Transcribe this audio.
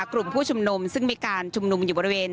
กลุ่มผู้ชุมนุมซึ่งมีการชุมนุมอยู่บริเวณ